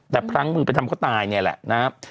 แต่พลั้งมือไปทำเขาตายเนี่ยแหละนะครับ